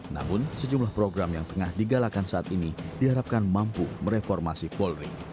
namun sejumlah program yang tengah digalakan saat ini diharapkan mampu mereformasi polri